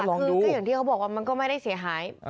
คือก็อย่างที่เขาบอกว่ามันก็ไม่ได้เสียหาย